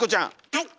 はい。